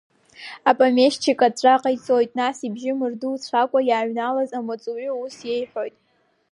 Апомешьчик аҵәҵәа ҟаиҵоит, нас ибжьы мырдуцәакәа, иааҩналаз амаҵуҩы ус иеиҳәоит…